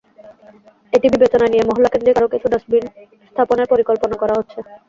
এটি বিবেচনায় নিয়ে মহল্লাকেন্দ্রিক আরও কিছু ডাস্টবিন স্থাপনের পরিকল্পনা করা হচ্ছে।